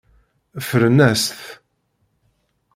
Ffren-as-t.